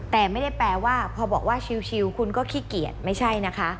แต่ไม่ได้แปลว่าพอบอกว่าชิลคุณก็ขี้เกียจไม่ใช่นะคะ